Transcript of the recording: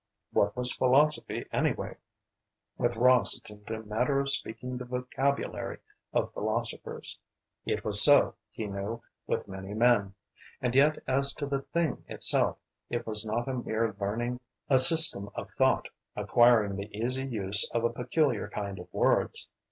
What was philosophy, anyway? With Ross it seemed a matter of speaking the vocabulary of philosophers. It was so, he knew, with many men. And yet, as to the thing itself, it was not a mere learning a system of thought, acquiring the easy use of a peculiar kind of words.